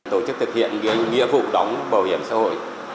tổ chức thực hiện nghĩa vụ đóng bảo hiểm xã hội